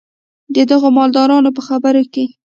د دغو مالدارانو په خبرو کې.